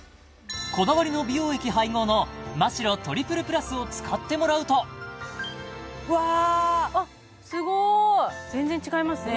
こだわりの美容液配合のマ・シロトリプルプラスを使ってもらうとうわあっすごい全然違いますね